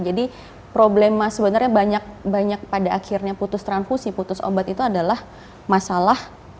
jadi problema sebenarnya banyak pada akhirnya putus transfusi putus obat itu adalah masalah